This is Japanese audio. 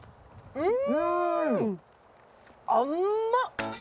うん。